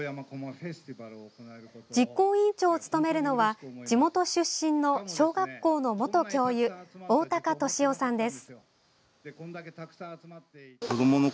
実行委員長を務めるのは地元出身の小学校の元教諭大高敏夫さんです。